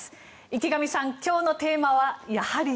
池上さん、今日のテーマはやはり。